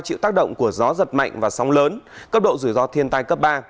chịu tác động của gió giật mạnh và sóng lớn cấp độ rủi ro thiên tai cấp ba